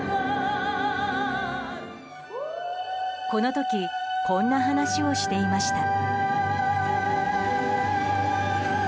この時こんな話をしていました。